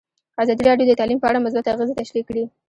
ازادي راډیو د تعلیم په اړه مثبت اغېزې تشریح کړي.